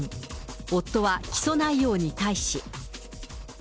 夫は起訴内容に対し。